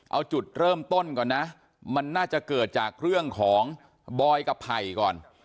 เอาจุดเริ่มต้นก่อนนะมันน่าจะเกิดจากเรื่องของบอยกับไผ่ก่อน